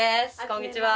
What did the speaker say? こんにちは。